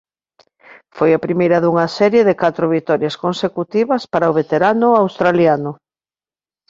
Foi a primeira dunha serie de catro vitorias consecutivas para o veterano australiano.